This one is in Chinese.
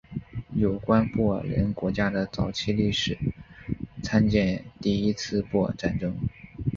有关布尔人国家的早期历史参见第一次布尔战争。